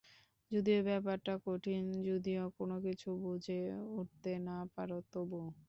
যদিও ব্যাপারটা কঠিন, যদি কোনোকিছু বুঝে উঠতে না পারো, তবুও।